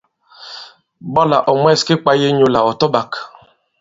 Ɓɔlà ɔ̀ mwɛ̂s ki kwāye inyūlà ɔ̀ tɔ-ɓāk.